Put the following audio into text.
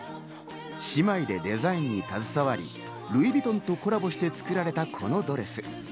姉妹でデザインに携わり、ルイ・ヴィトンとコラボして作られたこのドレス。